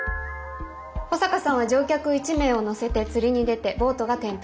保坂さんは乗客１名を乗せて釣りに出てボートが転覆。